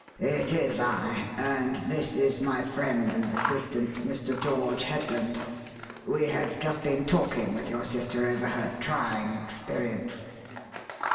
"It is I, and this is my friend and assistant, Mr. George Headland. We have just been talking with your sister over her trying experience."